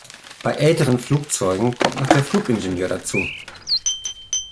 Bei älteren Flugzeugen kommt noch der Flugingenieur dazu.